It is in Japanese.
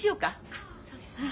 あっそうですね。